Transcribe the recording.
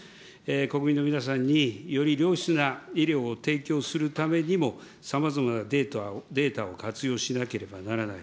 国民の皆さんに、より良質な医療を提供するためにも、さまざまなデータを活用しなければならない。